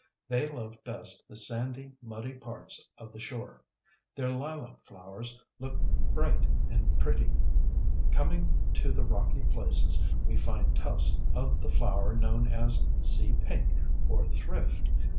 They love best the sandy, muddy parts of the shore. Their lilac flowers look bright and pretty. Coming to the rocky places, we find tufts of the flower known as Sea Pink or Thrift.